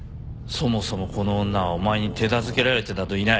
そもそもこの女はお前に手なずけられてなどいない。